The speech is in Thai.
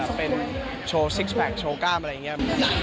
ไม่ถือตัวอะไร